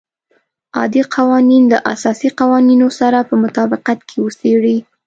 عادي قوانین له اساسي قوانینو سره په مطابقت کې وڅېړي.